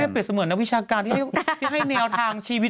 แม่ก็เปลี่ยนเสมอลักษณ์วิชาการที่ให้แนวทางชีวิต